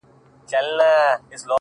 o او ته خبر د کوم غریب د کور له حاله یې،